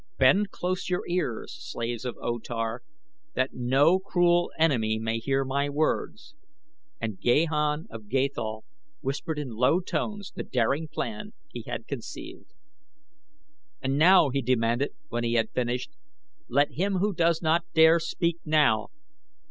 Bend close your ears, slaves of O Tar, that no cruel enemy may hear my words," and Gahan of Gathol whispered in low tones the daring plan he had conceived. "And now," he demanded, when he had finished, "let him who does not dare speak now."